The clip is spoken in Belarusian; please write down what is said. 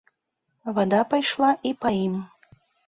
Вада пайшла і па ім.